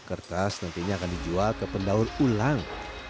kertas nantinya akan dijual ke pendaur ulang